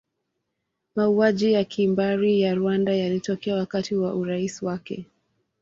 Mauaji ya kimbari ya Rwanda yalitokea wakati wa urais wake.